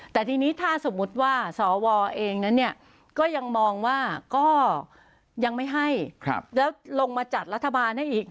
แต่ทีนี้ถ้าสมมุติว่าสวเองนั้นก็ยังมองว่าก็ยังไม่ให้แล้วลงมาจัดรัฐบาลให้อีก